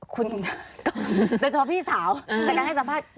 คุณโดยเฉพาะพี่สาวจากการให้สัมภาษณ์